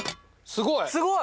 すごい。